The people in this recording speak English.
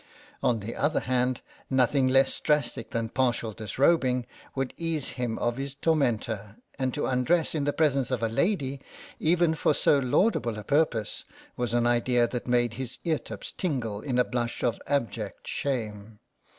On the other hand, nothing less drastic than partial disrobing would ease him of his tormentor, and to undress in the presence of a lady, even for so laudable a purpose, was an idea that made his eartips tingle in a blush of abject shame.